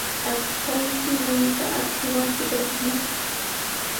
Achkayshi rumita akshuman tikrachinaq.